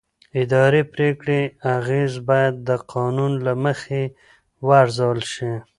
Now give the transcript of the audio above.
د اداري پرېکړې اغېز باید د قانون له مخې وارزول شي.